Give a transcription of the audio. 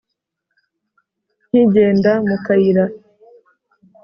nkigenda mu kayira.